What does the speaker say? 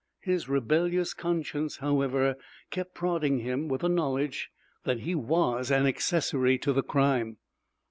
His rebellious conscience, however, kept prodding him with the knowledge that he was "an accessory to the crime."